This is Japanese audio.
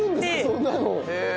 そんなの。